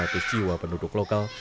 dan berpengalaman dengan kesehatan